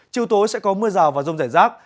chiều tối sẽ có mưa rào và rông rải rác